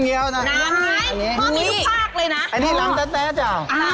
ไอ้นี่ลำแท๊ดจ้ะ